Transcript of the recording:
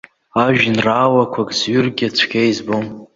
Ажәеинраалақәак зҩыргьы цәгьа избом.